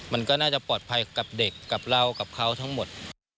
มันก็น่าจะปลอดภัยกับเด็กกับเรากับเขาทั้งหมด